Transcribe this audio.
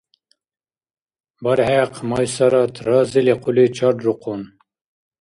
БархӀехъ Майсарат разили хъули чаррухъун.